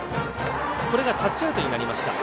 これがタッチアウトになりました。